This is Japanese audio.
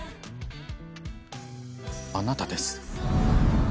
あなたです。